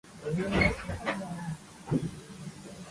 山梨県北杜市